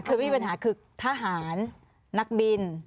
คือไม่มีปัญหาคือทหารนักบิน